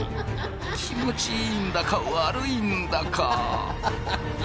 気持ちいいんだか悪いんだか。